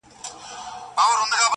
در جارېږمه سپوږمیه راته ووایه په مینه!.